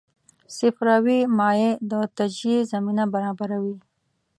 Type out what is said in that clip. صفراوي مایع د تجزیې زمینه برابروي.